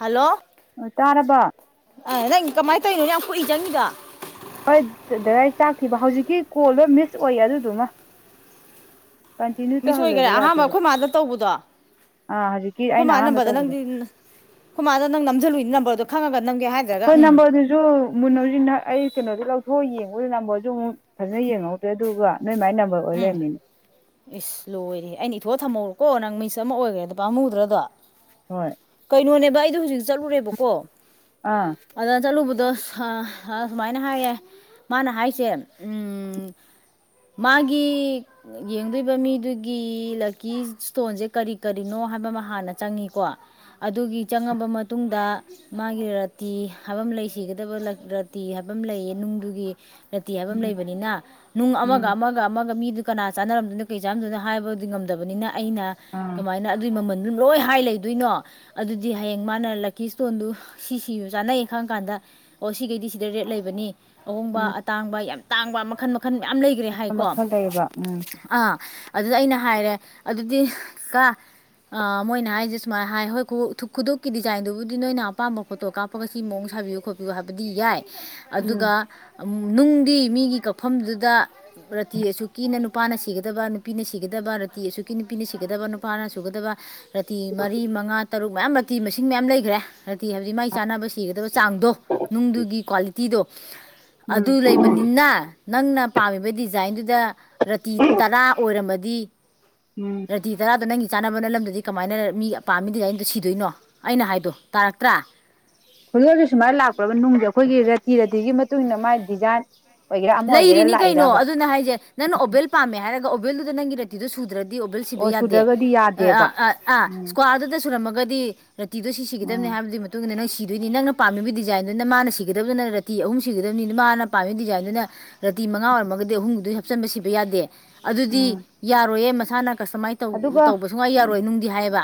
hello ꯇꯥꯔꯔꯕ ꯇꯩꯩꯅꯣ ꯌꯥꯝ ꯀꯨꯏ ꯆꯪꯅꯤꯗ ꯗꯗꯥꯏ ꯆꯥꯛ ꯊꯤꯕ ꯍꯧꯖꯤꯛꯀꯤ ꯀꯣꯜꯗꯣ ꯃꯤꯁ ꯑꯣꯏꯌꯦ ꯑꯗꯨꯗꯨꯃ ꯀꯟꯇꯤꯅ꯭ꯌꯨ ꯃꯤꯁꯣꯏꯈꯔꯦ ꯇꯧꯍꯜꯂꯦꯕ ꯑꯍꯥꯟꯕ ꯌꯥꯗꯦꯕ ꯑꯩꯈꯣꯏ ꯃꯥꯗ ꯇꯧꯕꯗꯣ ꯑꯥ ꯍꯧꯖꯤꯛꯀꯤ ꯑꯩꯈꯣꯏ ꯑꯩꯅ ꯃꯥ ꯑꯍꯥꯟꯕ ꯅꯝꯕꯔꯗ ꯇꯧꯕꯗꯣ ꯅꯪꯗꯤ ꯑꯩꯈꯣꯏ ꯃꯥꯗ ꯅꯪ ꯅꯝꯁꯤꯜꯂꯨꯏ ꯅꯝꯕꯔꯗꯣ ꯉ ꯍꯣꯏ ꯅꯝꯕꯔꯗꯨꯁꯨ ꯃꯨꯟꯅꯧꯖꯤꯅ ꯑꯩ ꯀꯩꯅꯣꯗꯤ ꯂꯧꯦ ꯍꯣꯏ ꯌꯦꯡꯕꯗ ꯅꯝꯕꯔꯁꯨ ꯑꯃꯨꯛ ꯐꯖꯅ ꯌꯦꯡꯍꯧꯗ꯭ꯔꯦ ꯑꯗꯨꯒ ꯅꯣꯏ ꯃꯥꯏ ꯅꯝꯕꯔ ꯑꯣꯏ ꯎꯝ ꯂꯩꯔꯝꯃꯤꯅꯦ ꯏꯁꯁ ꯂꯣꯏꯔꯦ ꯑꯩꯅ ꯏꯊꯣꯛꯑ ꯊꯝꯍꯧꯔꯣ ꯀꯣ ꯅꯪ ꯃꯤꯁ ꯑꯃ ꯑꯣꯏꯈ꯭ꯔꯦꯗꯣ ꯄꯥꯝꯃꯨꯗ꯭ꯔꯗꯣ ꯍꯣꯏ ꯀꯩꯅꯩꯅꯣꯅꯦ ꯏ ꯑꯩꯗꯣ ꯍꯧꯖꯤꯛ ꯆꯠꯂꯨꯔꯦꯕꯀꯣ ꯑꯥ ꯑꯗ ꯆꯂꯨ ꯑꯗꯣ ꯁꯨꯃꯥꯏꯅ ꯍꯥꯏꯌꯦ ꯃꯥꯅ ꯍꯥꯏꯁꯦ ꯃꯥꯒꯤ ꯌꯦꯡꯗꯣꯏꯕ ꯃꯤꯗꯨꯒꯤ ꯂꯛꯀꯤ ꯏꯁꯇꯣꯟꯁꯦ ꯀꯔꯤ ꯀꯔꯤꯅꯣ ꯍꯥꯏꯕ ꯑꯃ ꯍꯥꯟꯅ ꯆꯪꯉꯤꯀꯣ ꯑꯗꯨꯒꯤ ꯆꯪꯉꯕ ꯃꯇꯨꯡꯗ ꯃꯥꯒꯤ ꯔꯥꯇꯤ ꯍꯥꯏꯕ ꯑꯃ ꯂꯩ ꯁꯤꯒꯗꯕ ꯔꯥꯇꯤ ꯍꯥꯏꯕ ꯑꯃ ꯂꯩꯌꯦ ꯅꯨꯡꯗꯨꯒꯤ ꯔꯥꯇꯤ ꯍꯥꯏꯕ ꯑꯃ ꯎꯝ ꯂꯩꯕꯅꯤꯅ ꯅꯨꯡ ꯑꯃ ꯎꯝ ꯑꯃꯒ ꯑꯃꯃꯒ ꯃꯤꯗꯤ ꯀꯅꯥ ꯆꯥꯅꯔꯝꯗꯣꯏꯅꯣ ꯀꯔꯤ ꯆꯥꯔꯝꯗꯣꯏꯅꯣ ꯍꯥꯏꯕꯗꯨꯗꯤ ꯉꯝꯗꯕꯅꯤꯅ ꯑꯩꯅ ꯑꯥ ꯀꯃꯥꯏꯅ ꯑꯗꯨꯒꯤ ꯃꯃꯜ ꯑꯗꯨꯝ ꯂꯣꯏ ꯍꯥꯏ ꯂꯩꯗꯣꯏꯅꯣ ꯑꯗꯨꯗꯤ ꯍꯌꯦꯡ ꯃꯥꯅ ꯂꯛꯀꯤ ꯏꯁ꯭ꯇꯣꯟꯗꯨ ꯁꯤ ꯁꯤꯁꯨ ꯆꯥꯅꯩꯌꯦ ꯈꯪ ꯀꯥꯟꯗ ꯑꯣ ꯁꯤꯈꯩꯗꯤ ꯁꯤꯗ ꯔꯦꯠ ꯂꯩꯕꯅꯤ ꯑꯍꯣꯡꯕ ꯎꯝ ꯑꯇꯥꯡꯕ ꯌꯥꯝ ꯇꯥꯡꯕ ꯃꯈꯜ ꯃꯈꯜ ꯃꯌꯥꯝ ꯂꯩꯒ ꯍꯥꯏꯀꯣ ꯃꯈꯜ ꯂꯩꯌꯦꯕ ꯎꯝ ꯑꯥ ꯑꯗꯨꯗ ꯑꯩꯅ ꯍꯥꯏꯔꯦ ꯑꯗꯨꯗꯤ ꯀ ꯃꯣꯏꯅ ꯍꯥꯏꯁꯦ ꯁꯨꯃꯥꯏꯅ ꯍꯥꯏ ꯍꯣꯏ ꯈꯨꯗꯞꯀꯤ ꯗꯤꯖꯥꯏꯟꯗꯨꯕꯨꯗꯤ ꯅꯣꯏꯅ ꯑꯄꯥꯝꯕ ꯐꯣꯇꯣ ꯀꯥꯞꯄꯒ ꯁꯤ ꯃꯑꯣꯡ ꯁꯥꯕꯤꯌꯨ ꯈꯣꯠꯄꯤꯌꯨ ꯍꯥꯏꯕꯗꯤ ꯌꯥꯏ ꯑꯗꯨꯒ ꯎꯝ ꯅꯨꯡꯗꯤ ꯃꯤꯒꯤ ꯀꯛꯐꯝꯗꯨꯗ ꯔꯥꯇꯤ ꯑꯁꯨꯛꯀꯤꯅ ꯅꯨꯄꯥꯅ ꯁꯤꯒꯗꯕ ꯅꯨꯄꯤꯅ ꯁꯤꯒꯗꯕ ꯔꯥꯇꯤ ꯑꯁꯨꯛꯀꯤ ꯅꯨꯄꯤꯅ ꯁꯤꯒꯗꯕ ꯅꯨꯄꯥꯅ ꯁꯨꯒꯗꯕ ꯔꯥꯇꯤ ꯃꯔꯤ ꯃꯉꯥ ꯇꯔꯨꯛ ꯃꯌꯥꯝ ꯃꯇꯇꯤ ꯃꯁꯤꯡ ꯃꯌꯥꯝ ꯂꯩꯈ꯭ꯔꯦ ꯈꯔꯗꯤ ꯍꯧꯖꯤꯛ ꯃꯥꯏ ꯆꯥꯅꯕ ꯁꯤꯒꯗꯕ ꯆꯥꯡꯗꯣ ꯅꯨꯡꯗꯨꯒꯤ ꯀ꯭ꯋꯥꯂꯤꯇꯤꯗꯣ ꯎꯝ ꯑꯗꯨ ꯂꯩꯕꯅꯤꯅ ꯅꯪꯅ ꯄꯥꯝꯃꯤꯕꯩꯗꯤ ꯗꯤꯖꯥꯏꯟꯗꯨꯗ ꯔꯥꯇꯤ ꯇꯔꯥ ꯑꯣꯏꯔꯝꯃꯗꯤ ꯎꯝ ꯔꯥꯇꯤ ꯇꯔꯥꯗꯣ ꯅꯪꯒꯤ ꯆꯥꯅꯕꯅ ꯑꯗꯨꯗꯤ ꯀꯃꯥꯏꯅ ꯃꯤ ꯑꯄꯥꯝꯃꯤ ꯗꯤꯖꯥꯏꯟꯗꯣ ꯁꯤꯗꯣꯏꯅꯣ ꯑꯩꯅ ꯍꯥꯏꯗꯣ ꯇꯥꯔꯛꯇ꯭ꯔꯥ ꯍꯧꯖꯤꯛ ꯍꯧꯖꯤꯛ ꯁꯨꯃꯥꯏꯅ ꯂꯥꯛꯄ꯭ꯔꯕ ꯅꯨꯡꯁꯦ ꯑꯩꯈꯣꯏꯒꯤ ꯇꯤꯔꯗꯤꯒꯤ ꯃꯇꯨꯡ ꯏꯟꯅ ꯃꯥꯥꯏ ꯗꯤꯖꯥꯏꯟ ꯑꯣꯏꯒꯦꯔꯥ ꯑꯃ ꯑꯣꯏꯒꯦꯔꯥ ꯂꯩꯔꯤꯅꯤ ꯀꯩꯅꯣ ꯂꯥꯛꯏꯔꯕ ꯑꯗꯨꯅ ꯍꯥꯏꯁꯦ ꯅꯪꯅ ꯑꯣꯕꯦꯜ ꯄꯥꯝꯃꯦ ꯍꯥꯏꯔꯒ ꯜꯂꯗ ꯅꯪ ꯉ ꯏꯔꯛꯗ ꯁꯨꯗ꯭ꯔ ꯁꯤ ꯑꯣ ꯌꯥꯗ ꯁꯨꯗ꯭ꯔꯒꯗꯤ ꯌꯥꯗꯦꯕ ꯎꯝ ꯑꯃꯗꯤ ꯔꯥꯇꯤꯗꯣ ꯁꯤꯒꯗꯕꯅꯤ ꯎꯝ ꯍꯥꯏꯕꯒꯤ ꯃꯇꯨꯡ ꯏꯟꯅ ꯅꯪ ꯁꯤ ꯁꯤꯗꯣꯏꯅꯤ ꯅꯪꯅ ꯄꯥꯝꯃꯤꯕ ꯗꯤꯖꯥꯏꯟꯗꯨꯅ ꯃꯥꯅ ꯁꯤꯒꯗꯕꯗꯨꯅ ꯔꯥꯇꯤ ꯑꯍꯨꯝ ꯁꯤꯒꯗꯕꯅꯤ ꯃꯥꯅ ꯄꯥꯝꯃꯤꯕ ꯗꯤꯖꯥꯏꯟꯗꯨꯅ ꯔꯥꯇꯤ ꯃꯉꯥ ꯑꯣꯏꯔꯝꯃꯒꯗꯤ ꯑꯍꯨꯝꯗꯨꯗꯨꯗꯤ ꯍꯥꯞꯆꯤꯟꯕ ꯁꯤꯕ ꯌꯥꯗꯦ ꯎꯝ ꯑꯗꯨꯗꯤ ꯌꯥꯔꯣꯏꯌꯦ ꯊꯂ ꯀꯁꯇꯃꯥꯏꯁꯧ ꯑꯗꯨꯒ ꯇꯧꯕ ꯁꯨꯡꯉꯥꯏ ꯌꯥꯔꯣꯏ ꯅꯨꯡꯗꯤ ꯍꯥꯏꯌꯦꯕ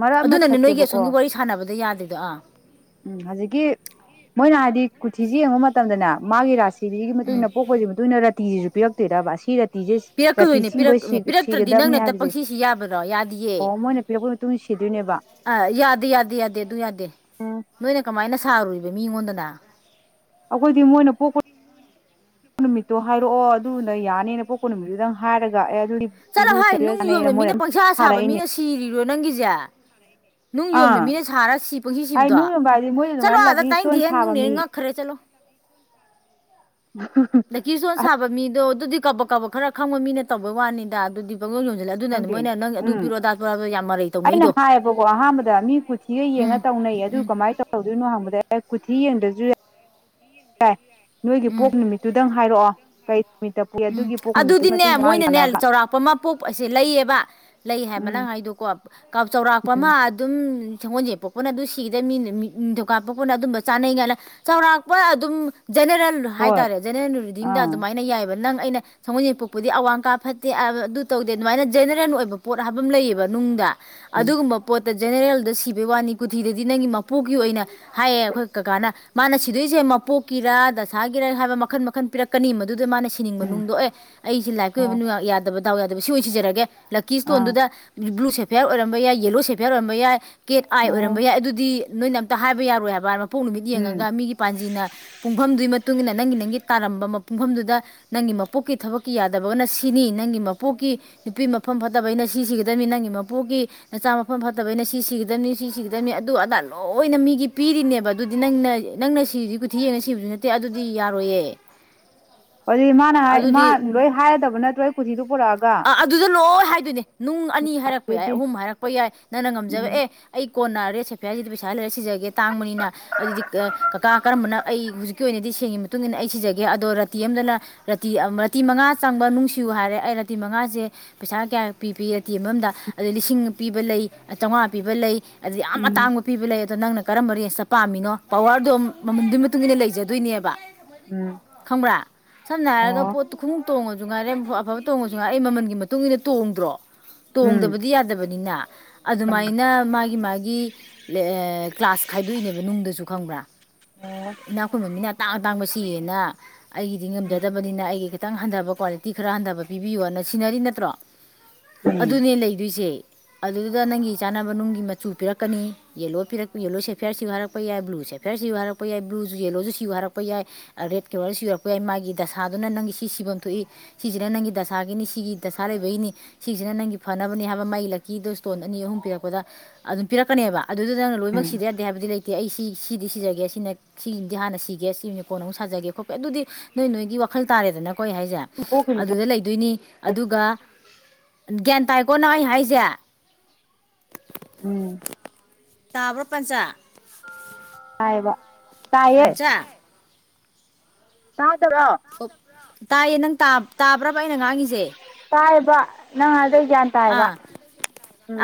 ꯃꯔꯛ ꯑꯃ ꯑꯗꯨꯅꯅꯦ ꯅꯣꯏꯒꯤ ꯊꯠꯀꯦꯕꯀꯣ ꯑꯁꯣꯝꯒꯤ ꯋꯥꯔꯤ ꯁꯥꯟꯅꯕꯗ ꯌꯥꯗ꯭ꯦ ꯀꯨꯗ ꯎꯝ ꯍꯧꯖꯤꯛꯀꯤ ꯃꯣꯏꯅ ꯍꯥꯏꯗꯤ ꯀꯨꯊꯤꯁꯤ ꯌꯦꯡꯕ ꯃꯇꯝꯗꯅꯦ ꯃꯥꯒꯤ ꯔꯥꯁꯤ ꯁꯤꯒꯤ ꯃꯇꯨꯡ ꯎꯝ ꯏꯟꯅ ꯄꯣꯛꯄꯁꯤꯒꯤ ꯃꯇꯨꯡ ꯏꯟꯅ ꯔꯥꯇꯤꯁꯤꯁꯨ ꯎꯤꯔꯛꯇꯤꯔꯔꯕ ꯁꯤ ꯄꯤꯔꯛꯀꯗꯣꯏꯅꯦ ꯄꯤꯔꯛ ꯄꯤꯔꯛꯇ꯭ꯔꯗꯤ ꯅꯪꯅ ꯍꯦꯛꯇ ꯍꯥꯏꯕꯁꯦ ꯄꯪꯁꯤꯁꯤ ꯌꯥꯕ꯭ꯔꯣ ꯌꯥꯗꯤꯌꯦ ꯑꯣ ꯃꯣꯏꯅ ꯄꯤꯔꯛꯄꯒꯤ ꯃꯇꯨꯡ ꯏꯟꯅ ꯁꯤꯗꯣꯏꯅꯦꯕ ꯑ ꯌꯥꯗꯦ ꯌꯥꯗꯦ ꯌꯥꯗꯦ ꯑꯗꯨ ꯌꯥꯗꯦ ꯎꯝ ꯅꯣꯏꯅ ꯀꯃꯥꯏꯅ ꯁꯥꯔꯨꯏꯅꯣ ꯃꯤꯉꯣꯟꯗꯅ ꯑꯩꯈꯣꯏꯗꯤ ꯃꯣꯏꯅ ꯄꯣꯛꯄ ꯅꯨꯃꯤꯠꯇꯣ ꯍꯥꯏꯔꯛꯑꯣ ꯑꯗꯨꯅ ꯌꯥꯅꯤꯅ ꯄꯣꯛꯄ ꯅꯨꯃꯤꯠꯇꯨꯗꯪ ꯍꯥꯏꯔꯒ ꯑꯦ ꯑꯗꯨꯗꯤ ꯁꯤꯂꯨ ꯆꯂꯚꯥꯏ ꯅꯨꯡ ꯁꯦꯔꯦꯜꯅ ꯌꯣꯟꯕ ꯃꯣꯏꯅ ꯃꯤꯅ ꯄꯪꯁꯥ ꯁꯥꯕ ꯊꯥꯔꯛꯏꯅꯦ ꯃꯤꯅ ꯁꯤꯔꯤꯔꯣ ꯅꯪꯒꯤꯁꯦ ꯅꯨꯡ ꯌꯣꯟꯕ ꯑꯥ ꯃꯤꯅ ꯁꯥꯔ ꯁꯤ ꯄꯪꯁꯤ ꯍꯥꯏ ꯅꯨꯡ ꯁꯤꯕꯗꯣ ꯌꯣꯟꯕ ꯍꯥꯏꯗꯤ ꯃꯣꯏꯗꯤ ꯆꯠꯂꯣ ꯑꯗꯨꯃꯥꯏꯅ ꯑꯥꯗ ꯂꯛꯀꯤ ꯇꯥꯏꯟꯗꯦ ꯏꯁꯇꯣꯟ ꯍꯦ ꯁꯥꯕ ꯅꯨꯡꯅꯦ ꯃꯤ ꯉꯛꯈ꯭ꯔꯦ ꯆꯠꯂꯣ ꯂꯗꯒꯤ ꯁꯣꯁꯕ ꯃꯤꯗꯣ ꯀꯕ ꯀꯕ ꯈꯔ ꯈꯪꯕ ꯃꯤꯅ ꯇꯧꯕꯩ ꯋꯥꯅꯤꯗ ꯑꯗꯨꯗꯤ ꯄꯪꯌꯣꯟ ꯌꯣꯟꯁꯤꯜꯂꯦ ꯑꯗꯨꯅꯅꯦ ꯗꯦ ꯃꯣꯏꯅ ꯅꯪ ꯑꯗꯨ ꯎꯝ ꯄꯤꯔꯣ ꯑꯗꯥ ꯄꯤꯔꯣ ꯍꯥꯏꯕꯗꯣ ꯌꯥꯝ ꯃꯔꯩ ꯑꯩꯅ ꯇꯧꯅꯩꯗꯣ ꯍꯥꯏꯌꯦꯕꯀꯣ ꯑꯍꯥꯟꯕꯗ ꯃꯤ ꯀꯨꯊꯤꯒ ꯌꯦꯡꯉ ꯎꯝ ꯇꯧꯅꯩ ꯑꯗꯨ ꯎꯝ ꯀꯃꯥꯏꯅ ꯇꯧꯍꯧꯗꯣꯏꯅꯣ ꯍꯪꯕꯗ ꯀꯊꯤ ꯌꯦꯡꯗ꯭ꯔꯁꯨ ꯌꯥꯏ ꯍ ꯅꯣꯏꯒꯤ ꯎꯝ ꯄꯣꯛ ꯅꯨꯃꯤꯠꯇꯨꯗꯪ ꯍꯥꯏꯔꯛꯑꯣ ꯀꯩ ꯅꯨꯃꯤꯠꯇ ꯄꯣꯛꯏ ꯎꯝ ꯑꯗꯨꯒꯤ ꯄꯣꯛ ꯅꯨꯃꯤꯠꯇꯨꯒꯤ ꯑꯗꯨꯗꯤꯅꯦ ꯃꯇꯨꯡ ꯏꯟꯅ ꯃꯥꯒꯤ ꯃꯣꯏꯅꯅꯦ ꯆꯥꯟꯅꯕ ꯆꯥꯎꯧꯔꯥꯛꯄ ꯑꯃ ꯄꯣꯛ ꯑꯁꯦ ꯂꯩꯌꯦꯕ ꯂꯩ ꯍꯥꯏꯕ ꯎꯝ ꯅꯪ ꯍꯥꯏꯗꯀꯣ ꯆꯥꯎꯧꯔꯥꯛꯄ ꯑꯃ ꯎꯝ ꯑꯗꯨꯝ ꯁꯦꯡꯒꯣꯜꯁꯦ ꯄꯣꯛꯄꯅ ꯑꯗꯨ ꯁꯤꯒꯗꯕ ꯃꯤꯅ ꯅꯤꯡꯊꯧꯀꯥꯜ ꯄꯣꯛꯄꯅ ꯑꯗꯨꯝꯕ ꯆꯥꯅꯩ ꯀꯥꯏꯂ ꯆꯥꯎꯔꯥꯛꯄꯅ ꯑꯗꯨꯝ ꯖꯦꯅꯦꯔꯦꯜ ꯍꯣꯏ ꯍꯥꯏꯇꯥꯔꯦ ꯖꯦꯅꯦꯔꯦꯜ ꯔꯤꯗꯤꯡꯗ ꯑꯥ ꯑꯗꯨꯃꯥꯏꯅ ꯌꯥꯏꯕ ꯅꯪ ꯑꯩꯅ ꯁꯪꯒꯣꯜ ꯌꯦꯛꯄꯣꯛꯄꯨꯗꯤ ꯑꯋꯥꯡ ꯀꯥ ꯐꯠꯇꯦ ꯑꯗꯨ ꯇꯧꯗꯦ ꯑꯗꯨꯃꯥꯏꯅ ꯖꯦꯅꯔꯦꯜ ꯑꯣꯏꯕ ꯄꯣꯠ ꯍꯥꯏꯕ ꯑꯃ ꯂꯩꯌꯦꯕ ꯅꯨꯡꯗ ꯎꯝ ꯑꯗꯨꯒꯨꯝꯕ ꯄꯣꯠ ꯗ ꯖꯦꯅꯦꯔꯦꯜꯗ ꯁꯤꯕꯩ ꯋꯥꯅꯤ ꯀꯨꯊꯤꯗꯗꯤ ꯅꯪꯒꯤ ꯃꯄꯣꯛꯀꯤ ꯑꯣꯏꯅ ꯍꯥꯏꯌꯦ ꯑꯩꯈꯣꯏ ꯀꯀꯥꯅ ꯃꯥꯅ ꯁꯤꯗꯣꯏꯁꯦ ꯃꯄꯣꯛꯀꯤꯔ ꯗꯁꯥꯒꯤꯔꯥ ꯍꯥꯏꯕ ꯃꯈꯜ ꯃꯈꯟ ꯄꯤꯔꯛꯀꯅꯤ ꯃꯗꯨꯗ ꯃꯥꯅ ꯊꯤꯅꯤꯡꯕ ꯎꯝ ꯅꯨꯡꯗꯣ ꯑꯦ ꯑꯩꯦ ꯂꯥꯏꯔꯤꯛꯀꯤ ꯑꯣ ꯑꯣꯏꯕ ꯌꯥꯗꯕꯗ ꯇꯗꯥꯎ ꯌꯥꯗꯕ ꯁꯤ ꯑꯣꯏ ꯁꯤꯖꯔꯒꯦ ꯂꯛꯀꯁ ꯑꯥ ꯇꯣꯟꯗꯨꯗ ꯭ꯂ ꯁꯦꯐꯤꯌꯥꯔ ꯑꯣꯏꯔꯝꯕ ꯌꯥꯏ ꯌꯦꯜꯂꯣ ꯁꯦꯐꯤꯌꯥꯔ ꯑꯣꯏꯔꯝꯕ ꯌꯥꯏ ꯀꯦꯠ ꯑꯥꯏ ꯑꯣꯏꯔꯝꯕ ꯑꯣ ꯌꯥꯏ ꯑꯗꯨꯗꯤ ꯅꯣꯏꯅ ꯇ ꯍꯥꯏꯕ ꯌꯥꯔꯣꯏꯕ ꯑꯃ ꯃꯄꯣꯛ ꯅꯨꯃꯤꯠ ꯌꯦꯡꯉꯒ ꯎꯝ ꯃꯤꯒꯤ ꯄꯥꯟꯖꯤꯅ ꯄꯨꯡꯐꯝꯗꯨꯒꯤ ꯃꯇꯨꯡ ꯏꯟꯅ ꯅꯪꯒꯤ ꯅꯪꯒꯤ ꯇꯥꯔꯝꯕ ꯃ ꯄꯨꯡꯐꯝꯗꯨꯗ ꯅꯪꯒꯤ ꯃꯄꯣꯛꯀꯤ ꯊꯕꯛꯀꯤ ꯌꯥꯗꯕꯅ ꯁꯤꯅꯤ ꯅꯪꯒꯤ ꯃꯄꯣꯛꯀꯤ ꯅꯨꯄꯤ ꯃꯐꯝ ꯐꯠꯇꯕꯩꯅ ꯁꯤ ꯁꯤꯒꯗꯕꯅꯤ ꯅꯪꯒꯤ ꯃꯄꯣꯛꯀꯤ ꯅꯆꯥ ꯃꯐꯝ ꯐꯠꯇꯕꯩꯅ ꯁꯤ ꯁꯤꯒꯗꯕꯅꯤ ꯁꯤ ꯁꯤꯒꯗꯕꯅꯤ ꯑꯗꯨ ꯑꯗꯥ ꯂꯣꯏꯅ ꯃꯤꯒꯤ ꯄꯤꯔꯤꯅꯦꯕ ꯑꯗꯨꯗꯤ ꯅꯪꯅ ꯅꯪꯅ ꯁꯤꯁꯤ ꯀꯊꯤ ꯌꯦꯡꯅ ꯁꯤꯕꯁꯨ ꯅꯠꯇꯦ ꯑꯗꯨꯗꯤ ꯌꯥꯔꯣꯏꯌꯦ ꯑꯗꯨꯗꯤ ꯃꯥꯅ ꯃꯥ ꯑꯗꯨꯗꯤ ꯂꯣꯏ ꯍꯥꯏꯔꯗꯕ ꯅꯠꯇ꯭ꯔꯣꯏ ꯀꯊꯤꯗꯨꯣ ꯄꯨꯔꯛꯑ ꯑ ꯑꯗꯨꯗ ꯂꯣ ꯍꯥꯏꯗꯨꯅꯦ ꯅꯨꯡ ꯑꯅꯤ ꯍꯥꯏꯔꯛꯄ ꯌꯥꯏ ꯑꯗꯨꯗꯤ ꯑꯍꯨꯝ ꯍꯥꯏꯔꯛꯄ ꯌꯥꯏ ꯅꯪꯅ ꯉꯝꯖꯕ ꯎꯝ ꯑꯦ ꯑꯩ ꯀꯣꯟꯅ ꯔꯦꯠ ꯁꯦꯠꯄ ꯍꯥꯏꯁꯤꯗꯤ ꯄꯩꯁꯥ ꯂꯩꯔ ꯁꯤꯖꯒꯦ ꯇꯥꯡꯕꯅꯤꯅ ꯑꯗꯨꯗꯤ ꯀꯀꯥ ꯀꯔꯝꯕꯅ ꯑꯩ ꯍꯧꯖꯤꯛꯀꯤ ꯑꯣꯏꯅꯗꯤ ꯁꯦꯡꯒꯤ ꯃꯇꯨꯡ ꯏꯟꯅ ꯑꯩ ꯁꯤꯖꯒꯦ ꯑꯗꯣ ꯔꯥꯇꯤ ꯑꯃꯝꯗꯅ ꯔꯥꯇꯤ ꯔꯥꯇꯤ ꯃꯉꯥ ꯆꯪꯕ ꯅꯨꯡꯁꯤꯌꯨ ꯍꯥꯏꯔꯦ ꯑꯩ ꯇꯨꯇꯤ ꯃꯉꯥꯁꯦ ꯄꯩꯁꯥ ꯀꯌꯥ ꯄꯤ ꯄꯤ ꯇꯤ ꯑꯃ ꯑꯝꯗ ꯑꯗꯩ ꯂꯤꯁꯤꯡ ꯄꯤꯕ ꯂꯩ ꯆꯧꯉꯥ ꯄꯤꯕ ꯂꯩ ꯑꯗ ꯌꯥꯝ ꯎꯝ ꯑꯇꯥꯡꯕ ꯄꯤꯕ ꯂꯩ ꯑꯗ ꯅꯪꯅ ꯀꯔꯝꯕ ꯔꯦꯟꯁꯇ ꯄꯥꯝꯃꯤꯅꯣ ꯄꯋꯥꯔꯗꯣ ꯃꯃꯟꯗꯨ ꯃꯇꯨꯡ ꯏꯟꯅ ꯂꯩꯖꯗꯣꯏꯅꯦꯕ ꯎꯝ ꯈꯪꯕ꯭ꯔꯥ ꯁꯝꯅ ꯍꯥꯏꯔꯒ ꯑꯣ ꯄꯣꯠꯇꯨ ꯈꯨꯡꯎ ꯇꯣꯡꯉꯁꯨ ꯉꯥꯏꯔꯦꯐ ꯇꯣꯡꯉꯖꯨ ꯉꯥꯏ ꯑꯩ ꯃꯃꯟꯒꯤ ꯃꯇꯨꯡ ꯏꯟꯅ ꯇꯣꯡꯗ꯭ꯔꯣ ꯎꯝ ꯇꯣꯡꯗꯕꯗꯤ ꯌꯥꯗꯕꯅꯤꯅ ꯎꯝ ꯑꯗꯨꯃꯥꯏꯅ ꯃꯥꯒꯤ ꯃꯥꯒꯤ ꯂꯦ ꯑꯦ ꯀ꯭ꯂꯥꯁ ꯈꯥꯏꯗꯣꯛꯏꯅꯦꯕ ꯅꯨꯡꯗꯁꯨ ꯈꯪꯕ꯭ꯔꯥ ꯑꯣ ꯏꯅꯥꯛꯈꯨꯟꯕ ꯃꯤꯅ ꯇꯥꯡ ꯇꯥꯡꯕ ꯁꯤꯌꯦꯅ ꯑꯩꯒꯤꯗꯤ ꯎꯝ ꯉꯝꯖꯗꯕꯅꯤꯅ ꯑꯩꯒꯤ ꯈ ꯇꯪ ꯍꯟꯗꯕ ꯀ꯭ꯋꯥꯂꯤꯇꯤ ꯈꯔ ꯍꯟꯗꯕ ꯄꯤꯕꯤꯌꯣꯅ ꯁꯤꯟꯅꯔꯤ ꯅꯠꯇ꯭ꯔꯣ ꯎꯝ ꯑꯗꯨꯅꯦ ꯂꯩꯗꯨꯏꯁꯦ ꯑꯗꯨꯗꯨꯗ ꯅꯪꯒꯤ ꯆꯥꯅꯕ ꯅꯨꯡꯒꯤ ꯃꯆꯨ ꯄꯤꯔꯛꯀꯅꯤ ꯌꯦꯜꯂꯣ ꯄꯤꯔꯛ ꯌꯦꯜꯂꯣ ꯁꯦꯐꯤꯌꯥꯔ ꯁꯤꯌꯨ ꯍꯥꯏꯔꯛꯄ ꯌꯥꯏ ꯕ꯭ꯂꯨ ꯁꯦꯐꯤꯌꯔ ꯁꯤꯌꯨ ꯍꯥꯏꯔꯛꯄ ꯌꯥꯏ ꯕ꯭ꯂꯨꯖꯨ ꯌꯦꯜꯂꯣꯖꯨ ꯁꯤꯌꯨ ꯍꯥꯏꯔꯛꯄ ꯌꯥꯏ ꯔꯦꯗ ꯀꯂꯔ ꯁꯤꯎꯔꯛꯄ ꯌꯥꯏ ꯃꯥꯒꯤ ꯗꯁꯥꯗꯨꯅ ꯅꯪꯒꯤ ꯁꯤ ꯁꯤꯕꯝ ꯊꯣꯛꯏ ꯁꯤꯖꯤꯅ ꯅꯪꯒꯤ ꯗꯁꯥꯒꯤꯅꯤ ꯁꯤꯒꯤ ꯗꯁꯥ ꯂꯩꯕꯩꯅꯤ ꯁꯤꯁꯤꯅ ꯅꯪꯒꯤ ꯐꯅꯕꯅꯤ ꯍꯥꯏꯕ ꯃꯩ ꯂꯛꯀꯤꯗꯨ ꯁ꯭ꯇꯣꯟ ꯑꯅꯤ ꯑꯍꯨꯝ ꯄꯤꯔꯛꯄꯗ ꯑꯗꯨꯝ ꯄꯤꯔꯛꯀꯅꯦꯕ ꯑꯗꯨꯗꯨꯗ ꯅꯪ ꯂꯣꯏꯃꯛ ꯎꯝ ꯁꯤꯗ ꯌꯥꯗꯦ ꯍꯥꯏꯕꯗꯤ ꯂꯩꯇꯦ ꯑꯩꯁ ꯏ ꯁꯤꯗꯤ ꯁꯤꯖꯔꯒꯦ ꯁꯤꯅ ꯁꯤꯝꯗꯤ ꯍꯥꯟꯅ ꯁꯤꯒꯦ ꯁꯤ ꯀꯣꯟꯅ ꯑꯃꯨꯛ ꯁꯥꯖꯒꯦ ꯈꯣꯠꯄꯦ ꯑꯗꯨꯗꯤ ꯅꯣꯏ ꯅꯣꯏꯒꯤ ꯋꯥꯈꯜ ꯇꯥꯔꯦꯗꯅ ꯀꯣꯏ ꯍꯥꯏꯁꯦ ꯄꯣꯛꯈꯤꯅꯨꯀꯣ ꯑꯗꯨꯗ ꯂꯩ ꯗꯨꯏꯅꯤ ꯑꯗꯨꯒ ꯒ꯭ꯌꯥꯟ ꯇꯥꯏꯀꯣꯅ ꯑꯩ ꯍꯥꯏꯖꯦ ꯎꯝ ꯇꯥꯕ꯭ꯔꯣ ꯄꯟꯆꯥ ꯑꯥꯏꯕ ꯄꯟꯆꯥ ꯇꯥꯠ ꯐ ꯇꯥꯏꯌꯦ ꯅꯪ ꯇꯥ ꯇꯥꯕ꯭ꯔꯕ ꯑꯩꯅ ꯉꯥꯡꯉꯤꯖꯦ ꯄ ꯅꯪ ꯑꯗꯩꯩ ꯑ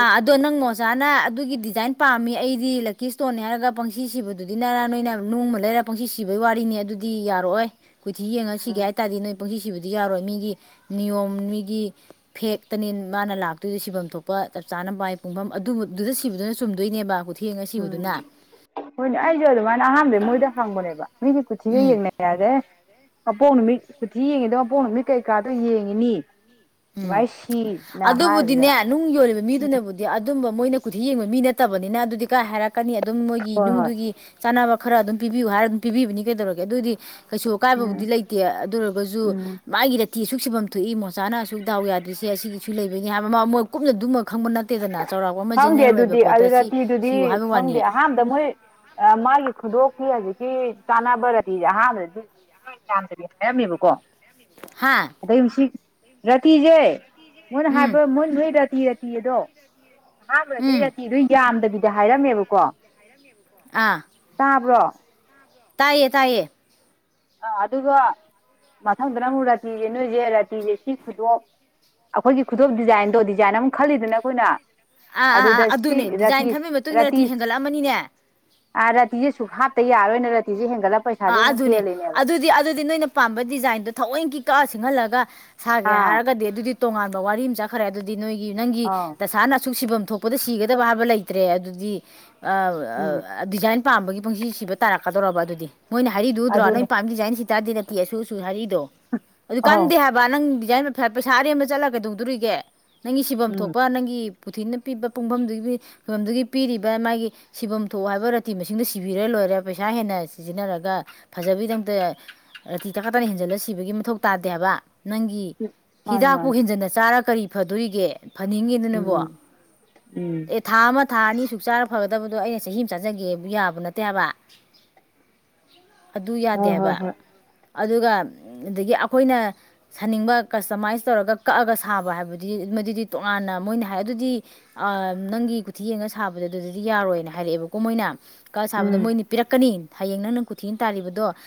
ꯑ ꯑꯗꯣꯅ ꯃꯣꯁ ꯖꯥꯅ ꯑꯗꯨꯒꯤ ꯗꯤꯖꯥꯏꯟ ꯄꯥꯝꯃꯤ ꯑꯩꯗꯤ ꯂꯛꯀꯤ ꯏꯁꯇꯣꯟꯅꯤ ꯍꯥꯏꯔꯒ ꯄꯪꯁꯤ ꯁꯤꯕꯗꯨꯗꯤ ꯅꯔ ꯅꯣꯏꯅ ꯅꯨꯃ ꯂꯩꯔ ꯄꯪꯁꯤ ꯁꯤꯕꯩ ꯋꯥꯔꯤꯅꯤ ꯑꯗꯨꯗꯤ ꯌꯥꯔꯛꯑꯣꯏ ꯀꯨꯊꯤ ꯌꯦꯡꯉ ꯁꯤꯒꯦ ꯎꯝ ꯍꯥꯏ ꯇꯥꯗꯤ ꯅꯣꯏ ꯄꯨꯁꯤ ꯁꯤꯕꯗꯤ ꯌꯥꯔꯣꯏ ꯃꯤꯒꯤ ꯅꯤꯌꯣꯝ ꯃꯤꯒꯤ ꯐꯦꯛꯇꯅꯤ ꯃꯥꯅ ꯂꯥꯛꯇꯣꯏꯗꯨ ꯁꯤꯕꯝ ꯊꯣꯛꯄ ꯆꯞ ꯆꯥꯅ ꯃꯥꯏ ꯄꯨꯡꯐꯝ ꯑꯗꯨ ꯗꯨꯗ ꯁꯤꯕꯗꯨꯅ ꯆꯨꯝꯗꯣꯏꯅꯦꯕ ꯎꯊ ꯌꯦꯡ ꯎꯝ ꯑꯁꯤꯕꯗꯨꯅ ꯍꯣꯏꯅꯦ ꯑꯩꯖꯨ ꯑꯗꯨ ꯃꯥꯏꯅ ꯑꯍꯥꯟꯗꯤ ꯃꯣꯏꯗ ꯍꯪꯕꯅꯦꯕ ꯃꯤꯗꯤ ꯀꯨꯊꯤꯒ ꯎꯝ ꯌꯦꯡꯅ ꯌꯥꯗꯦ ꯃꯄꯣꯛ ꯅꯨꯃꯤꯠ ꯀꯨꯊꯤ ꯌꯦꯡꯉꯤꯗꯥ ꯃꯄꯣꯛ ꯅꯨꯃꯤꯠ ꯀꯩꯀꯥꯗꯣ ꯌꯦꯡꯉꯤꯅꯤ ꯎꯝ ꯑꯗꯨꯃꯥꯏ ꯁꯤꯅ ꯍꯥꯏꯕꯗ ꯑꯗꯨꯕꯨꯗꯤꯅꯦ ꯅꯨꯡ ꯌꯣꯜꯂꯤꯕ ꯃꯤꯗꯨꯅꯕꯨꯗꯤ ꯑꯗꯨꯝꯕ ꯃꯣꯏꯅ ꯀꯨꯊꯤ ꯌꯦꯡꯕ ꯃꯤ ꯅꯠꯇꯕꯅꯤꯅ ꯑꯗꯨꯗꯤ ꯀꯥꯏ ꯍꯥꯏꯔ ꯀꯅꯤ ꯑꯗꯨꯝ ꯃꯣꯏꯒꯤ ꯍꯣꯏ ꯍꯣꯏ ꯅꯨꯡꯗꯨꯒꯤ ꯆꯥꯅꯕ ꯈꯔ ꯑꯗꯨꯝ ꯄꯤꯕꯤꯌꯨ ꯍꯥꯏꯔꯒ ꯑꯗꯨꯝ ꯄꯤꯕꯤꯕꯅꯤ ꯀꯩꯗꯧꯔꯒꯦ ꯑꯗꯨꯏꯗꯤ ꯀꯩꯁꯨ ꯎꯝ ꯑꯀꯥꯏꯕꯕꯨꯗꯤ ꯂꯩꯇꯦ ꯑꯗꯨ ꯑꯣꯏꯔꯒꯁꯨ ꯎꯝ ꯃꯥꯒꯤꯗ ꯇꯤ ꯑꯁꯨꯛ ꯁꯤꯐꯝ ꯊꯣꯛꯏ ꯃꯣꯆꯥꯅ ꯁꯨꯛ ꯗꯥꯎ ꯌꯥꯗ꯭ꯔꯤꯁꯦ ꯑꯁꯤꯒꯤꯁꯨ ꯂꯩꯕꯅꯤ ꯍꯥꯏꯕꯃ ꯃꯣꯏ ꯀꯨꯞꯅ ꯑꯗꯨꯝꯃꯛ ꯈꯪꯗꯦ ꯑꯗꯨꯗꯤ ꯑꯗꯨ ꯄꯣꯠꯇ ꯁꯤ ꯔꯇꯤꯗꯨꯗꯤ ꯁꯤꯌꯨ ꯍꯥꯏꯕ ꯈꯪꯗꯦ ꯋꯥꯅꯤ ꯑꯍꯥꯟꯕꯗ ꯃꯣꯏ ꯃꯥꯒꯤ ꯈꯨꯗꯣꯛꯀꯤ ꯍꯧꯖꯤꯛ ꯁꯤ ꯆꯥꯟꯅꯕ ꯔꯗꯤꯁꯦ ꯑꯍꯥꯟꯕꯗꯗꯤꯣꯏ ꯌꯥꯝꯗ꯭ꯔꯗꯤ ꯍꯥꯏꯔꯝꯃꯦꯕꯀꯣ ꯍꯥ ꯑꯗ ꯉꯁꯤ ꯔꯇꯤꯖꯦ ꯃꯣꯏꯅ ꯍꯥꯏꯕ ꯎꯝ ꯃꯣꯏ ꯇꯤꯔ ꯇꯤ ꯑꯗꯣ ꯑꯍꯥꯟꯕꯗꯗꯤ ꯎꯝ ꯔꯇꯤ ꯗꯨ ꯌꯥꯝꯗꯕꯤ ꯕꯤꯗ ꯍꯥꯏꯔꯝꯃꯦꯕꯀꯣ ꯑꯥ ꯇꯥꯕ꯭ꯔꯣ ꯇꯥꯏꯌꯦ ꯇꯥꯏꯌꯦ ꯑꯥ ꯑꯗꯨꯒ ꯃꯊꯪꯗꯅ ꯑꯃꯨꯛ ꯔꯥꯇꯤꯁꯦ ꯅꯣꯏꯁꯦ ꯔꯥꯇꯤꯁꯦ ꯁꯤ ꯈꯨꯗꯣꯞ ꯑꯩꯈꯣꯏꯒꯤ ꯈꯨꯗꯣꯞ ꯗꯤꯖꯥꯏꯟꯗꯣ ꯗꯤꯖꯥꯏꯟ ꯑꯃꯛ ꯈꯜꯂꯤꯗꯅ ꯑꯩꯈꯣꯏꯅ ꯑꯥ ꯑꯥ ꯑꯥ ꯑꯗꯨꯗ ꯁꯤ ꯑꯗꯨꯅꯦ ꯗꯤꯖꯥꯏꯟ ꯔꯥꯇꯤꯁ ꯊꯟꯕꯒꯤ ꯃꯇꯨꯡ ꯏꯟꯅ ꯔꯇꯤ ꯔꯥꯇꯤꯁ ꯍꯦꯟꯒꯠꯂꯛꯑꯃꯅꯤꯅꯦ ꯁꯨ ꯍꯥꯞꯇ ꯌꯥꯔꯣꯏ ꯔꯇꯦ ꯍ [unintelligible] ꯑꯥ ꯄꯩꯁꯥꯁꯨꯨ ꯑꯄꯩꯛ ꯑꯗꯨꯅꯦ ꯍꯦꯟꯂꯤꯅꯦ ꯑꯗꯨꯗꯤ ꯑꯗꯨꯗꯤ ꯅꯣꯏꯅ ꯄꯥꯝꯕ ꯗꯤꯖꯥꯏꯟꯗꯣ ꯊꯣꯛ ꯂꯣꯏ ꯀꯤ ꯀꯛ ꯁꯤꯡꯍꯜꯂꯒ ꯁꯥꯒꯦ ꯑꯥ ꯍꯥꯏꯔꯒꯗꯤ ꯑꯗꯨꯗꯤ ꯇꯣꯉꯥꯟ ꯕꯋꯥꯔꯤ ꯃꯆꯥ ꯈꯔꯦ ꯑꯗꯨꯗꯤ ꯅꯣꯏꯒꯤ ꯅꯪꯒꯤ ꯑꯥꯎ ꯇꯁꯥꯅ ꯁꯨꯛ ꯁꯤꯐꯝ ꯊꯣꯛꯄꯗꯣ ꯁꯤꯒꯗꯕ ꯍꯥꯏꯕ ꯂꯩꯇ꯭ꯔꯦ ꯑꯗꯨꯗꯤ ꯎꯝ ꯑ ꯗꯤꯖꯥꯏꯟ ꯄꯥꯝꯕꯒꯤ ꯄꯨꯡꯁꯤ ꯁꯤꯕ ꯇꯥꯔꯛꯀꯗꯧꯔꯕ ꯑꯗꯨꯗꯤ ꯃꯣꯏꯅ ꯍꯥꯏꯔꯤꯗꯨꯗꯥꯣ ꯅꯣꯏ ꯑꯗꯨꯅꯦ ꯄꯥꯝꯃꯤ ꯗꯤꯖꯥꯏꯅ ꯁꯤ [unintelligible] ꯍꯥꯏꯔꯤ ꯑꯗꯨ ꯑꯧ ꯀꯥꯟꯗꯦ ꯍꯥꯏꯕ ꯅꯪ [unintelligible] ꯄꯩꯁꯥ ꯑꯔꯦꯝꯕ ꯆꯠꯂꯒ ꯀꯗꯧꯗꯣꯔꯤꯒꯦ ꯅꯪꯒꯤ ꯁꯤꯐꯝ ꯎꯝ ꯊꯣꯛꯄ ꯅꯪꯒꯤ ꯄꯨꯊꯤꯅ ꯄꯤꯕ ꯄꯨꯡꯐꯝꯗꯨꯒꯤ ꯐꯤꯕꯐꯝꯗꯨꯒꯤ ꯄꯤꯔꯤꯕ ꯃꯥꯒꯤ ꯁꯤꯐꯝ ꯊꯣꯛ ꯍꯥꯏꯕ ꯔꯥꯇꯤ ꯃꯁꯤꯡꯗꯨꯣ ꯁꯤꯕꯤꯔ ꯂꯣꯏꯔꯦ ꯄꯩꯁꯥ ꯍꯦꯟꯅ ꯁꯤꯖꯤꯟꯅꯔꯒ ꯑꯗꯨꯒ ꯐꯖꯕꯒꯤꯗꯃꯛꯇ ꯔꯥꯇꯤ ꯇꯀꯥ ꯇꯅ ꯍꯦꯟꯖꯜꯂ ꯁꯤꯕꯒꯤ ꯃꯊꯧ ꯇꯥꯗꯦ ꯍꯥꯏꯕ ꯅꯪꯒꯤ ꯃꯥꯅꯦ ꯍꯤꯗꯥꯛꯄꯨ ꯃꯥꯅꯦ ꯍꯦꯟꯖꯟꯅ ꯆꯥꯔꯒ ꯀꯔꯤ ꯐꯗꯣꯔꯤꯒꯦ ꯐꯅꯤꯡꯉꯗꯨꯅꯕꯣ ꯎꯝ ꯎꯝ ꯑꯦ ꯊꯥ ꯑꯃ ꯊꯥ ꯑꯅꯤ ꯁꯨꯛ ꯆꯥꯔ ꯐꯕ ꯠꯇꯕꯗꯣ ꯑꯩꯅ ꯆꯍꯤ ꯑꯃ ꯆꯥꯖꯒꯦ ꯌꯥꯕ ꯅꯠꯇꯦꯕ ꯑꯗꯨ ꯍꯣꯏ ꯍꯣꯏ ꯌꯥꯗꯦꯕ ꯍꯣꯏ ꯑꯗꯨꯒ ꯑꯗꯒꯤ ꯑꯩꯈꯣꯏꯅ ꯁꯥꯅꯤꯡꯕ ꯀꯁꯇꯃꯥꯏꯁ ꯇꯧꯔꯒ ꯀꯛꯑꯒ ꯁꯥꯕ ꯍꯥꯏꯕꯗꯤ ꯃꯗꯨꯗꯤ ꯇꯣꯉꯥꯟꯅ ꯃꯣꯏꯅ ꯍꯥꯏ ꯑꯗꯨꯗꯤ ꯅꯪꯒꯤ ꯈꯨꯊꯤ ꯌꯦꯡꯉ ꯁꯥꯕꯗꯣ ꯑꯗꯨꯗꯗꯤ ꯌꯥꯔꯣꯏꯅ ꯍꯥꯏꯔꯛꯑꯦꯕꯀꯣ ꯃꯣꯏꯅ ꯀ ꯁꯥꯕꯗꯣ ꯎꯝ ꯃꯣꯏꯅꯤ ꯄꯤꯔꯛꯀꯅꯤ ꯍꯌꯦꯡ ꯅꯪ ꯅꯪ ꯀꯊꯤꯅ ꯇꯥꯜꯂꯤꯕꯗꯣ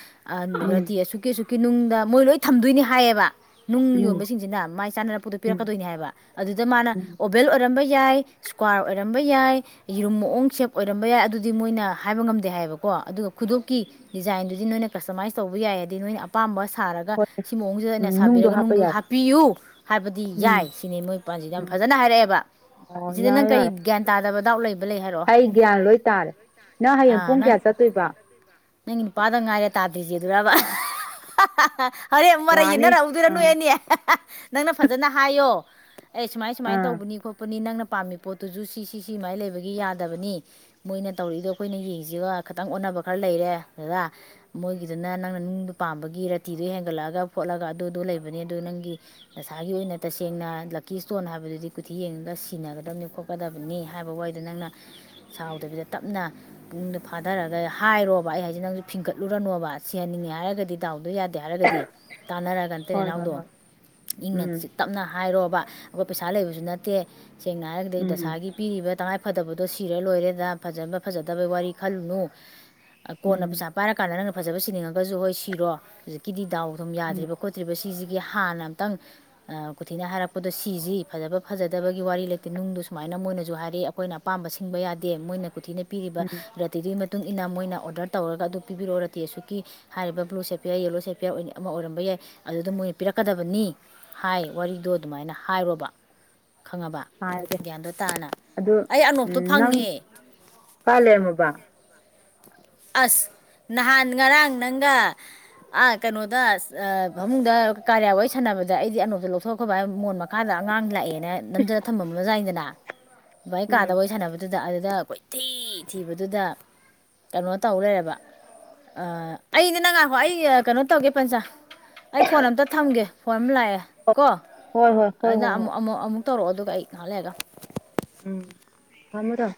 ꯎꯝ ꯑꯒ ꯁꯨꯀꯦ ꯁꯨꯛ ꯀꯤꯅꯨꯡꯗ ꯃꯣꯏ ꯂꯣꯏ ꯊꯝꯗꯣꯏꯅꯤ ꯍꯥꯏꯌꯦꯕ ꯅꯨꯡ ꯎꯝ ꯌꯣꯟꯕꯁꯤꯡꯁꯤꯅ ꯃꯥꯏ ꯆꯥꯅ ꯄꯣꯠꯇꯣ ꯎꯝ ꯄꯤꯔꯛꯀꯗꯣꯏꯅꯤ ꯍꯥꯏꯕ ꯑꯗꯨꯗ ꯃꯥꯅ ꯎꯝ ꯑꯣꯕꯦꯜ ꯑꯣꯏꯔꯝꯕ ꯌꯥꯏ ꯏꯁꯀ꯭ꯋꯥꯔ ꯑꯣꯏꯔꯝꯕ ꯌꯥꯏ ꯌꯦꯔꯨꯝ ꯃꯑꯣꯡ ꯁꯦꯞ ꯑꯣꯏꯔꯝꯕ ꯌꯥꯏ ꯑꯗꯨꯗꯤ ꯃꯣꯏꯅ ꯍꯥꯏꯕ ꯉꯝꯗꯦ ꯍꯥꯏꯕꯀꯣ ꯑꯗꯨꯒ ꯈꯨꯗꯣꯀꯤ ꯗꯤꯖꯥꯏꯟꯗꯨꯗꯤ ꯅꯣꯏꯅ ꯀꯁꯇꯃꯥꯏꯁ ꯇꯧꯕ ꯌꯥꯏ ꯑꯗꯩ ꯅꯣꯏꯅ ꯑꯄꯥꯝꯕ ꯁꯥꯔꯒ ꯍꯣꯏ ꯁꯤ ꯃꯑꯣꯡꯁꯤꯗ ꯑꯩꯅ ꯎꯝ ꯅꯨꯡꯗꯣ ꯁꯥꯕꯤꯔꯒ ꯍꯥꯞꯄ ꯅꯨꯡꯗꯨ ꯌꯥꯏ ꯍꯥꯞꯄꯤꯌꯨ ꯍꯥꯏꯕꯗꯤ ꯎꯝ ꯌꯥꯏ ꯁꯤꯅꯤ ꯃꯣꯏ ꯃꯄꯥꯟꯁꯤꯗ ꯌꯥꯝ ꯎꯝ ꯐꯖꯅ ꯍꯥꯏꯔꯛꯑꯦꯕ ꯑꯣ ꯁꯤꯗ ꯅꯪ ꯌꯥꯔꯦ ꯀꯔꯤ ꯌꯥꯔꯦ ꯒ꯭ꯌꯥꯟ ꯇꯥꯗꯕ ꯗꯥꯎꯠ ꯂꯩꯕ ꯂꯩ ꯍꯥꯏꯔꯛꯑꯣ ꯑꯩ ꯒ꯭ꯌꯥꯟ ꯂꯣꯏ ꯇꯥꯔꯦ ꯅꯪ ꯍꯌꯦꯡ ꯑꯥ ꯄꯨꯡ ꯅꯪ ꯀꯌꯥ ꯆꯠꯇꯣꯏꯕ ꯅꯪꯒꯤ ꯅꯨꯄꯥꯗ ꯉꯥꯏꯔꯦ ꯇꯥꯗ꯭ꯔꯤꯁꯦ ꯑꯗꯨꯔꯕ ꯍꯔꯦꯟ ꯑꯃꯨꯛ ꯃꯔꯩ ꯌꯥꯅꯤ ꯌꯦꯟꯅꯔꯛꯧꯗꯣꯏꯔꯅꯨ ꯑꯥ ꯑꯦꯅꯦ ꯅꯪꯅ ꯐꯖꯅ ꯍꯥꯏꯌꯣ ꯑꯩ ꯁꯨꯃꯥꯏ ꯁꯨꯃꯥꯏꯅ ꯑꯥ ꯇꯧꯕꯅꯤ ꯈꯣꯠꯄꯅꯤ ꯅꯪꯅ ꯄꯥꯝꯃꯤ ꯄꯣꯠꯇꯨꯁꯨ ꯁꯤ ꯁꯤ ꯁꯤ ꯁꯃꯥꯏꯅ ꯂꯩꯕꯒꯤ ꯌꯥꯗꯕꯅꯤ ꯃꯣꯏꯅ ꯇꯧꯔꯛꯏꯗꯣ ꯑꯩꯈꯣꯏꯅ ꯌꯦꯡꯁꯤꯒ ꯈꯤꯇꯪ ꯑꯣꯟꯅꯕ ꯈꯔ ꯂꯩꯔꯦ ꯗꯗꯥ ꯃꯣꯏꯒꯤꯗꯨꯅ ꯅꯪꯅ ꯅꯨꯡꯗꯨ ꯄꯥꯝꯕꯒꯤ ꯔꯥꯇꯤꯗꯨꯣ ꯍꯦꯟꯒꯠꯂꯛꯑꯒ ꯈꯣꯠꯂꯒ ꯑꯗꯨꯗꯣ ꯂꯩꯕꯅꯤ ꯑꯗꯨ ꯅꯪꯒꯤ ꯅꯁꯥꯒꯤ ꯑꯣꯏꯅ ꯇꯁꯦꯡꯅ ꯂꯛꯀꯤ ꯏꯁꯇꯣꯟ ꯍꯥꯏꯕꯗꯨꯗꯤ ꯀꯨꯊꯤ ꯌꯦꯡꯉꯒ ꯁꯤꯟꯅꯒꯗꯕꯅꯤ ꯈꯣꯠꯀꯗꯕꯅꯤ ꯍꯥꯏꯕ ꯋꯥꯏꯗꯣ ꯅꯪꯅ ꯁꯥꯎꯗꯕꯤꯗ ꯇꯞꯅ ꯛꯅꯨꯡꯗ ꯐꯥꯊꯔꯒ ꯍꯥꯏꯔꯣꯕ ꯑꯩ ꯍꯥꯏꯁꯦ ꯅꯪꯁꯨ ꯐꯤꯡꯒꯠꯂꯨꯔꯅꯣꯕ ꯁꯤꯍꯟꯅꯤꯡꯉꯦ ꯍꯥꯏꯔꯒꯗꯤ ꯗꯥꯎꯗꯣ ꯌꯥꯗꯦ ꯍꯥꯏꯔꯒꯗꯤ ꯇꯥꯟꯅꯔꯒ ꯅꯠꯇꯤꯟ ꯍꯣꯏ ꯍꯣꯏ ꯏꯅꯥꯎꯗꯣ ꯍꯣꯏ ꯏꯪꯅ ꯎꯝ ꯇꯞꯅ ꯍꯥꯏꯔꯣꯕ ꯑꯩꯈꯣꯏ ꯄꯩꯁꯥ ꯂꯩꯕꯁꯨ ꯅꯠꯇꯦ ꯁꯦꯡꯅ ꯍꯥꯏꯔꯒꯗꯤ ꯎꯝ ꯗꯁꯥꯒꯤ ꯄꯤꯔꯤꯕ ꯇꯉꯥꯏ ꯐꯠꯇꯕꯗꯣ ꯁꯤꯔ ꯂꯣꯏꯔꯦꯗ ꯐꯖꯕ ꯐꯖꯗꯕꯩ ꯋꯥꯔꯤ ꯈꯜꯂꯨꯅꯨ ꯎꯝ ꯀꯣꯟꯅꯩꯁꯥ ꯄꯥꯏꯔꯀꯥꯟꯗ ꯅꯪ ꯐꯖꯕ ꯁꯤꯅꯤꯡꯉꯒꯁꯨ ꯍꯣꯏ ꯁꯤꯔꯣ ꯍꯧꯖꯤꯛꯀꯤꯗꯤ ꯗꯥꯎ ꯑꯗꯨꯝ ꯎꯝ ꯌꯥꯗ꯭ꯔꯤꯕ ꯈꯣꯠꯇ꯭ꯔꯤꯕ ꯁꯤꯁꯤꯒꯤ ꯍꯥꯟꯅ ꯑꯃꯝꯇꯪ ꯀꯊꯤꯅ ꯍꯥꯏꯔꯛꯄꯗꯣ ꯁꯤꯁꯤ ꯐꯖꯕ ꯐꯖꯗꯕꯒꯤ ꯋꯥꯔꯤ ꯂꯩꯇꯦ ꯅꯨꯡꯗꯣ ꯁꯨꯃꯥꯏꯅ ꯃꯣꯏꯅꯁꯨ ꯍꯥꯏꯔꯛꯏ ꯑꯩꯈꯣꯏꯅ ꯑꯄꯥꯝꯕ ꯁꯤꯡꯕ ꯌꯥꯗꯦ ꯃꯣꯏꯅ ꯀꯊꯤꯅ ꯄꯤꯔꯤꯕ ꯎꯝ ꯔꯥꯇꯤ ꯑꯩꯅ ꯃꯣꯏꯅ ꯑꯣꯔꯗꯔ ꯇꯧꯔꯒ ꯑꯗꯨ ꯄꯤꯕꯤꯔꯛꯑꯣ ꯅꯗꯤꯦ ꯑꯁꯨꯛꯀꯤ ꯍꯥꯏꯔꯤꯕ ꯕ꯭ꯂꯨ ꯁꯦꯄꯤꯦꯌꯥꯔ ꯌꯦꯜꯂꯣ ꯁꯦꯄꯦꯌꯥꯔ ꯑꯃ ꯑꯣꯏꯔꯝꯕ ꯌꯥꯏ ꯑꯗꯨꯗ ꯃꯣꯏꯅ ꯄꯤꯔꯛꯀꯗꯕꯅꯤ ꯍꯥꯏ ꯋꯥꯔꯤꯗꯣ ꯑꯗꯨꯃꯥꯏꯅ ꯍꯥꯏꯔꯣꯕ ꯈꯪꯉꯕ ꯍꯥꯏꯒꯦ ꯒ꯭ꯌꯥꯟꯗꯣ ꯇꯥꯅ ꯑꯗꯨ ꯑꯩ ꯎꯝ ꯑꯅꯣꯞꯇꯣ ꯅꯪ ꯐꯪꯉꯦ ꯀꯥꯏ ꯂꯩꯔꯝꯃꯣꯕ ꯑꯁ ꯅꯍꯥꯟ ꯉꯔꯥꯡ ꯅꯪꯒ ꯀꯩꯅꯣꯗ ꯐꯃꯨꯡꯗ ꯀꯥꯔꯤꯌꯥ ꯋꯥꯔꯤ ꯁꯥꯟꯅꯕꯗ ꯑꯩꯗꯤ ꯑꯅꯣꯇꯣ ꯂꯧꯊꯣꯛꯈꯕ ꯃꯣꯟ ꯃꯈꯥꯗ ꯑꯉꯥꯡ ꯂꯥꯛꯑꯦꯅ ꯑ ꯅꯝꯖꯗ ꯊꯝꯃꯝꯕ ꯆꯥꯏꯗꯅ ꯥꯏ ꯎꯝ ꯀꯥꯗꯕꯩ ꯁꯅꯅꯕꯕ ꯗ ꯑꯗꯨꯗ ꯀꯣꯏꯊꯤ ꯊꯤꯕꯗꯨꯗ ꯀꯩꯅꯣ ꯇꯧ ꯂꯩꯔꯕ ꯑꯩꯩꯅ ꯅꯪ ꯉꯥꯏꯈꯣ ꯑꯩ ꯀꯩꯅꯣ ꯇꯧꯒꯦ ꯄꯟꯆꯥ ꯑꯩ ꯐꯣꯟ ꯑꯝꯇ ꯊꯝꯒꯦ ꯐꯣꯟ ꯂꯥꯛꯑꯦ ꯀꯣ ꯍꯣꯏ ꯍꯣꯏ ꯍꯣꯏ ꯑꯗꯨ ꯍꯣꯏ ꯍꯣꯏ ꯑꯃꯨ ꯑꯃ ꯇꯧꯔꯛꯑꯣ ꯑꯗꯨꯒ ꯑꯩ ꯈꯥꯜꯂꯦꯑꯒ ꯎꯝ ꯊꯃꯗꯣ